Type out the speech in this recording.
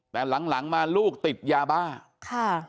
แต่หลังหลังมาลูกติดยาบ้าค่ะ